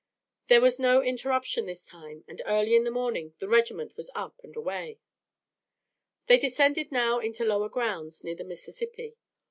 There was no interruption this time, and early in the morning the regiment was up and away. They descended now into lower grounds near the Mississippi.